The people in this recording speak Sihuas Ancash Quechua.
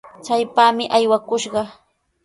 ¡Chaypami aywakushqa!